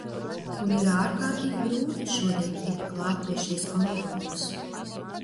Un ir ārkārtīgi grūti šodien tikt klāt pie šīs kontroles.